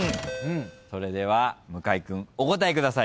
それでは向井君お答えください。